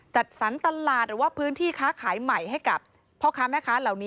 จัดสรรตลาดหรือว่าพื้นที่ค้าขายใหม่ให้กับพ่อค้าแม่ค้าเหล่านี้